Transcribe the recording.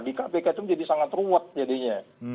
di kpk itu menjadi sangat ruwet jadinya